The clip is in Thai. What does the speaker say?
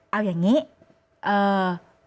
เอาอย่างนี้